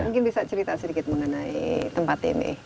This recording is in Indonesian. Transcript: mungkin bisa cerita sedikit mengenai tempat ini